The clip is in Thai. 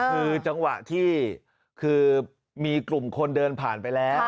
คือจังหวะที่คือมีกลุ่มคนเดินผ่านไปแล้ว